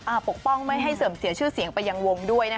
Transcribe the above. อ้าวปกปองไม่ให้เสริมเสียชื่อเสียงไปยังวงด้วย